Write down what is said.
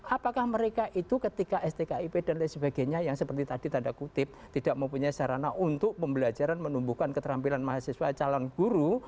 apakah mereka itu ketika stkip dan lain sebagainya yang seperti tadi tanda kutip tidak mempunyai sarana untuk pembelajaran menumbuhkan keterampilan mahasiswa calon guru